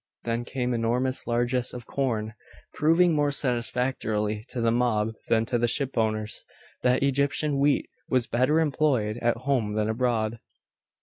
Then came enormous largesses of corn, proving, more satisfactorily to the mob than to the shipowners, that Egyptian wheat was better employed at home than abroad.